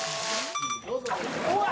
うわ！